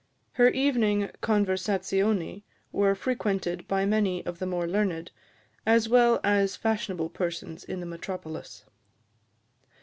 Her evening conversazioni were frequented by many of the more learned, as well as fashionable persons in the metropolis.